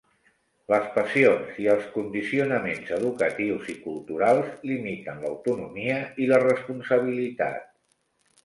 Les passions i els condicionaments educatius i culturals limiten l'autonomia i la responsabilitat.